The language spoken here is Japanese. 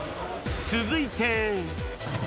続いて。